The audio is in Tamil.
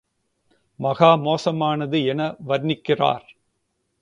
மகா மோசமானது என வர்ணிக்கிறார்